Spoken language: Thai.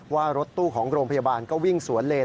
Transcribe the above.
ว่ารถตู้ของโรงพยาบาลก็วิ่งสวนเลน